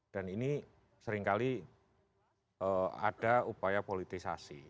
dan ini seringkali ada upaya politisasi